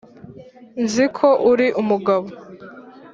Nzi ko uri umugabo,